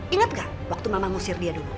ingat gak waktu mama mengusir dia dulu